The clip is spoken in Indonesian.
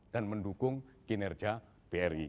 dan mendukung kinerja bri